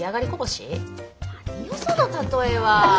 何よその例えは？